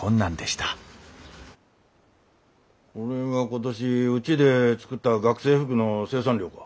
これが今年うちで作った学生服の生産量か。